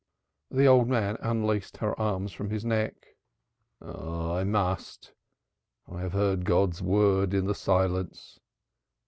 The old man unlaced her arms from his neck. "I must. I have heard God's word in the silence."